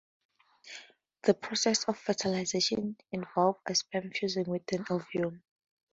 The process of fertilization involves a sperm fusing with an ovum.